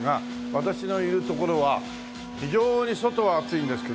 私のいる所は非常に外は暑いんですけど今ね